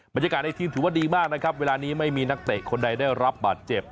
บรรยากาศในทีมถือว่าดีมากนะครับเวลานี้ไม่มีนักเตะคนใดได้รับบาดเจ็บ